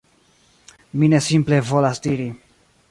Mi ne simple volas diri: